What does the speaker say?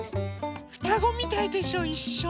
ふたごみたいでしょいっしょ。